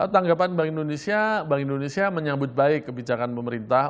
tanggapan bank indonesia bank indonesia menyambut baik kebijakan pemerintah